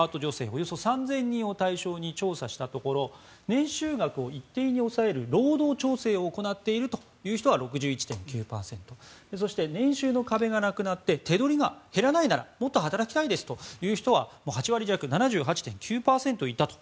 およそ３０００人を対象に調査したところ年収額を一定に抑える労働調整を行っているという人は６１．９％そして年収の壁がなくなって手取りが減らないならもっと働きたい人は８割弱、７８．９％いたと。